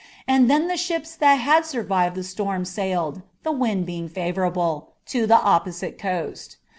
Mid ikai the ships that Imd survived the storm sailed (the wind being btfoaattt) to the oppofkile coast.